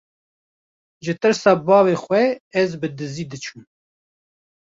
ji tirsa bavê xwe ez bi dizî diçûm.